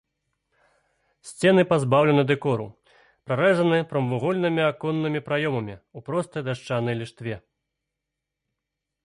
Сцены пазбаўлены дэкору, прарэзаны прамавугольнымі аконнымі праёмамі ў простай дашчанай ліштве.